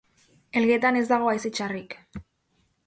Elgetan ez dago haize txarrik.